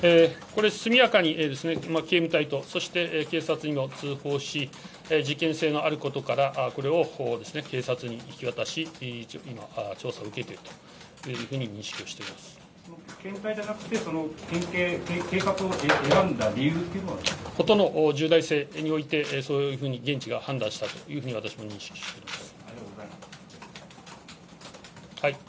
これ、速やかに警備隊と、そして警察にも通報し、事件性のあることから、これを警察に引き渡し、今、調査を受けているというじゃなくて県警、警察を選事の重大性において、そういうふうに現地が判断したというふうに私も認識しています。